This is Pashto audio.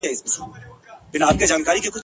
تباهي به وي په برخه د مرغانو !.